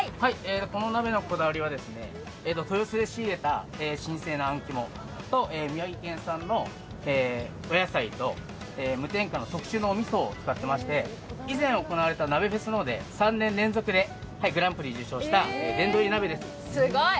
この鍋のこだわりは、豊洲で仕入れた新鮮なあんきもと、宮城県産のお野菜と無添加の特殊なおみそを使っていまして、以前行われた鍋フェスで３年連続でグランプリ受賞した殿堂鍋です。